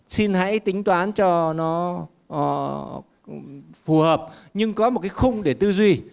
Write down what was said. xin hãy tính toán cho nó phù hợp nhưng có một cái khung để tư duy